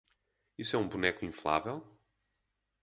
Isso é um boneco inflável?